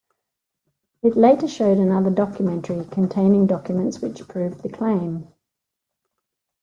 It later showed another documentary containing documents which proved the claim.